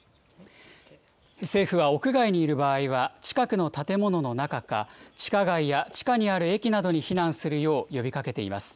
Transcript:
政府は屋外にいる場合は、近くの建物の中か、地下街や地下にある駅などに避難するよう呼びかけています。